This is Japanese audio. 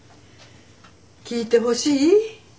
聞いてほしい？